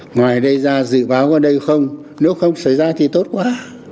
ngoài đây ra dự báo ở đây không nếu không xảy ra thì tốt quá